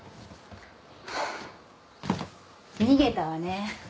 逃げたわね。